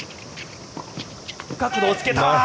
角度をつけた。